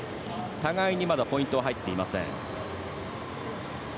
互いに、まだポイントは入っていません。